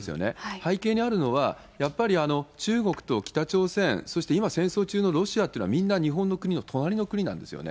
背景にあるのは、やっぱり中国と北朝鮮、そして今、戦争中のロシアっていうのは、みんな日本の国の隣の国なんですよね。